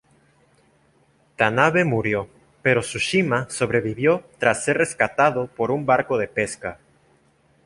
Tanabe murió, pero Tsushima sobrevivió tras ser rescatado por un barco de pesca.